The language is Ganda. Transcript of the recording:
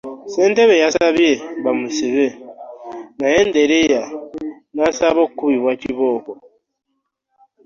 Ssentebe yasaba bamusibe naye ndereya nasaba okubibwe kibooko.